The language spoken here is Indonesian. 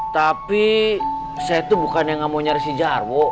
tapi saya tuh bukan yang gak mau nyari si jarwo